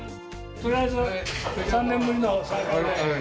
とりあえず、３年ぶりの再会で。